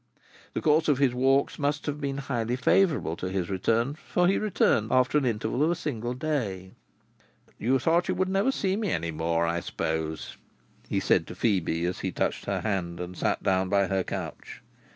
The course of his walks must have been highly favourable to his return, for he returned after an interval of a single day. "You thought you would never see me any more, I suppose?" he said to Phœbe as he touched her hand, and sat down by her couch.